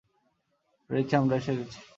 পেরেছি, আমরা এসে গেছি।